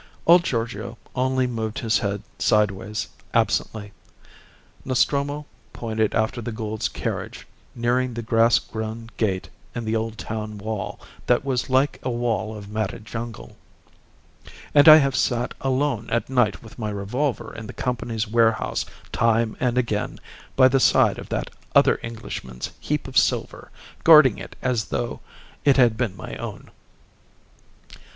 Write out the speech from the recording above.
Old Giorgio only moved his head sideways absently. Nostromo pointed after the Goulds' carriage, nearing the grass grown gate in the old town wall that was like a wall of matted jungle. "And I have sat alone at night with my revolver in the Company's warehouse time and again by the side of that other Englishman's heap of silver, guarding it as though it had been my own."